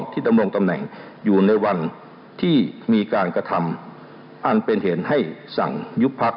ตามมาตรา๙๒วัก๒